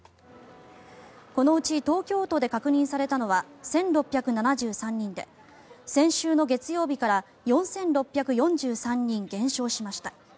このうち東京都で確認されたのは１６７３人で先週の月曜日から４６４３人減少しました。